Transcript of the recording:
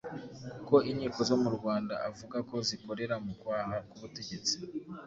kuko inkiko zo mu Rwanda avuga ko zikorera mu kwaha k'ubutegetsi.